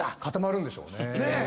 固まるんでしょうね。